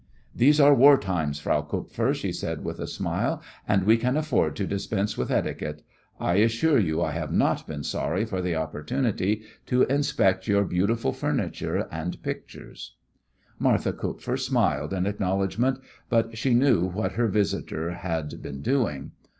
"These are war times, Frau Kupfer," she said, with a smile, "and we can afford to dispense with etiquette. I assure you I have not been sorry for the opportunity to inspect your beautiful furniture and pictures." Martha Kupfer smiled in acknowledgment, but she knew what her visitor had been doing.